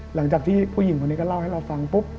หลังจากที่ผู้หญิงคนนี้ก็เล่าให้เราฟังปุ๊บ